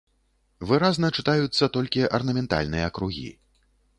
Выразна чытаюцца толькі арнаментальныя кругі.